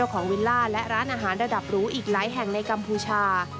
วิลล่าและร้านอาหารระดับหรูอีกหลายแห่งในกัมพูชา